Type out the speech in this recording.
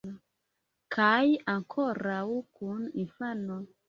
Kaj ankoraŭ kun infano!